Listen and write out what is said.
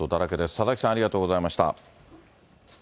佐々木さん、ありがとうございました。